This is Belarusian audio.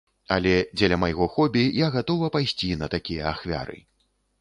Але дзеля майго хобі я гатова пайсці на такія ахвяры.